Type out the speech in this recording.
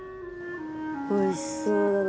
おいしそうだな。